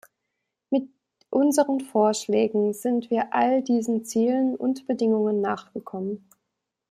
Mit unseren Vorschlägen sind wir all diesen Zielen und Bedingungen nachgekommen.